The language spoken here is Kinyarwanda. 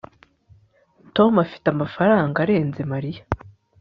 tom afite amafaranga arenze mariya